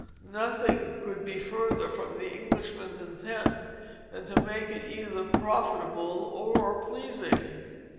Nothing could be further from the Englishman's intent than to make it either profitable or pleasing.